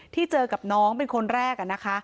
ที่เจอกับน้องเป็นคนแรก